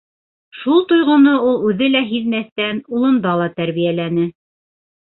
Шул тойғоно ул үҙе лә һиҙмәҫтән улында ла тәрбиәләне.